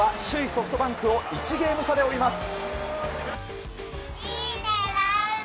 ソフトバンクを１ゲーム差で追います。